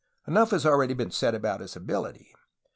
Enough has already been said about his abihty.